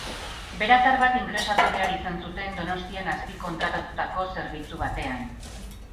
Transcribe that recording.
Beratar bat ingresatu behar izan zuten, Donostian azpikontratatutako zerbitzu batean.